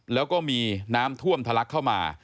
แล้วก็มีน้ำท่วมทะลักเข้ามา